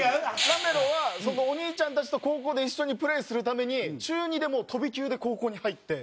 ラメロはお兄ちゃんたちと高校で一緒にプレーするために中２でもう飛び級で高校に入って。